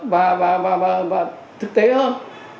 và thực tế hơn